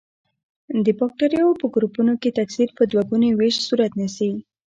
د بکټریاوو په ګروپونو کې تکثر په دوه ګوني ویش صورت نیسي.